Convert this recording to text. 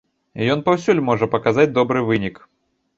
Ён паўсюль можа паказаць добры вынік.